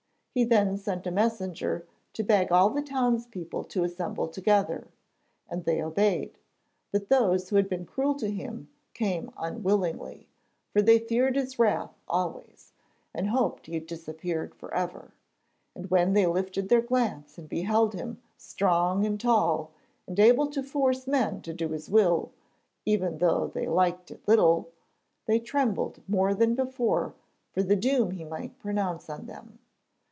He then sent a messenger to beg all the townspeople to assemble together, and they obeyed; but those who had been cruel to him came unwillingly, for they feared his wrath always, and hoped he had disappeared for ever. And when they lifted their glance and beheld him strong and tall and able to force men to do his will, even though they liked it little, they trembled more than before for the doom he might pronounce on them.